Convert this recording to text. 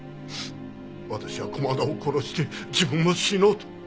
私は駒田を殺して自分も死のうと。